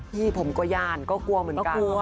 พี่ผมก็ย่านก็กลัวเหมือนกัน